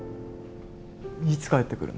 いつ帰ってくるの？